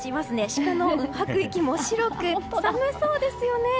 シカの吐く息も白く寒そうですよね。